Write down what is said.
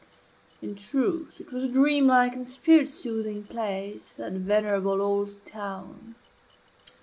In truth, it was a dream like and spirit soothing place, that venerable old town.